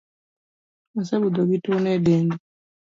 Osebudho gi tuo no e dende